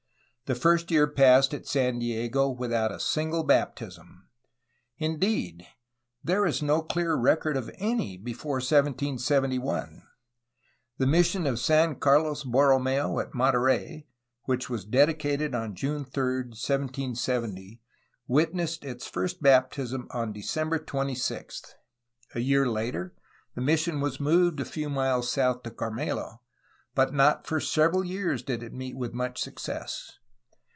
The first year passed at San Diego without a single baptism; indeed, there is no clear record of any before 1771. The mis sion of San Carlos Borromeo at Monterey, which was dedi 246 A HISTORY OF CALIFORNIA cated on June 3, 1770, witnessed its first baptism on Decem ber 26. A year later the mission was moved a few miles south to Carmelo, but not for several years did it meet with much success.